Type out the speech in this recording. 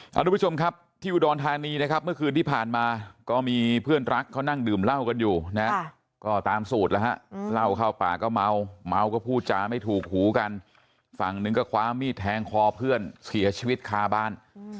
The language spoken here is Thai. ทุกผู้ชมครับที่อุดรธานีนะครับเมื่อคืนที่ผ่านมาก็มีเพื่อนรักเขานั่งดื่มเหล้ากันอยู่นะก็ตามสูตรแล้วฮะเหล้าเข้าป่าก็เมาเมาก็พูดจาไม่ถูกหูกันฝั่งหนึ่งก็คว้ามีดแทงคอเพื่อนเสียชีวิตคาบ้าน